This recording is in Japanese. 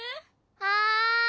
はい。